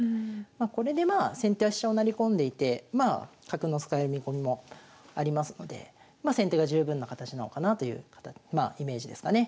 まこれでまあ先手は飛車を成り込んでいて角の使う見込みもありますのでま先手が十分な形なのかなというまあイメージですかね。